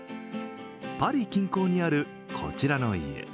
パリ近郊にあるこちらの家。